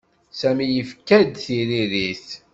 Sami yefka-d tiririt.